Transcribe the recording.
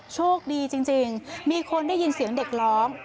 โชคดีจริงมีคนได้ยินเสียงเด็กร้อง